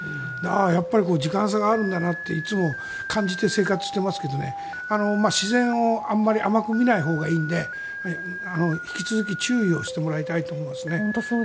やっぱり時間差があるんだなっていつも感じて生活していますけど自然をあまり甘く見ないほうがいいので引き続き注意をしてもらいたいと思うんですよね。